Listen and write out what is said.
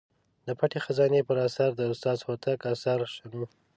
د پټې خزانې پر اثر د استاد هوتک اثر شنو.